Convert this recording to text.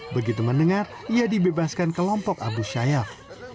begitu mendengar ia dibebaskan kelompok abu sayyaf